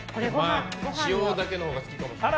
塩だけのほうが好きかもしれない。